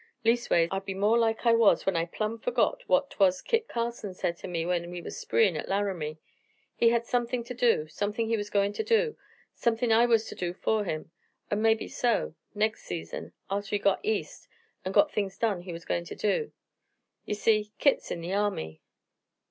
Leastways, I'd be more like I was when I plumb forgot what 'twas Kit Carson said to me when we was spreein' at Laramie. He had somethin' ter do, somethin' he was goin' ter do, somethin' I was ter do fer him, er mebee so, next season, atter he got East an' got things done he was goin' ter do. Ye see, Kit's in the Army."